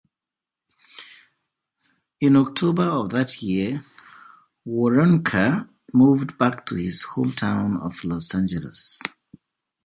In October of that year, Waronker moved back to his hometown of Los Angeles.